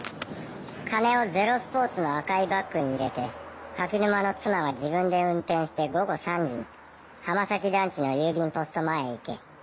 「金をゼロスポーツの赤いバッグに入れて垣沼の妻が自分で運転して午後３時に浜崎団地の郵便ポスト前へ行け。